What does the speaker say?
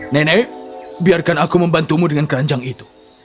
nenek biarkan aku membantumu dengan keranjang itu